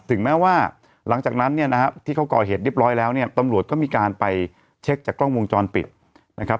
ถึงแม้ว่าหลังจากนั้นเนี่ยนะฮะที่เขาก่อเหตุเรียบร้อยแล้วเนี่ยตำรวจก็มีการไปเช็คจากกล้องวงจรปิดนะครับ